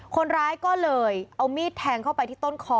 คนร้ายก็เลยเอามีดแทงเข้าไปที่ต้นคอ